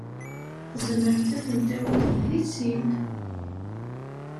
Tzemremt ad ten-tawimt deg sin.